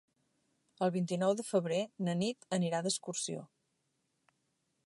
El vint-i-nou de febrer na Nit anirà d'excursió.